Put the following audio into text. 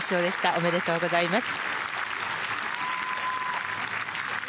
おめでとうございます。